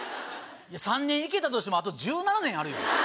３年行けたとしてもあと１７年あるよ。